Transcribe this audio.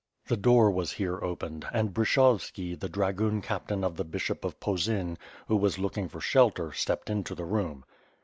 .... The door was here opened and Bryshovski the dragoon captain of the Bishop of Posen, who was looking for shelter, stepped into the room.